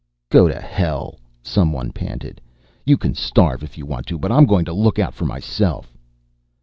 "Go to hell!" some one panted. "You c'n starve if you want to, but I'm goin' to look out f'r myself."